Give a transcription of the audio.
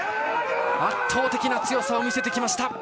圧倒的な強さを見せてきました。